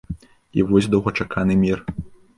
І вось доўгачаканы мір.